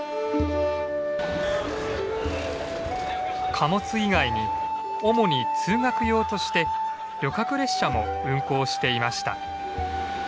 貨物以外に主に通学用として旅客列車も運行していました。